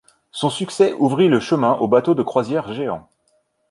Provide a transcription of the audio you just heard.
Son succès ouvrit le chemin aux bateaux de croisière géants.